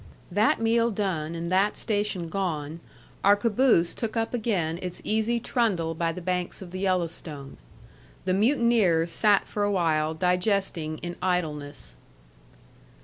That meal done and that station gone, our caboose took up again its easy trundle by the banks of the Yellowstone. The mutineers sat for a while digesting in idleness.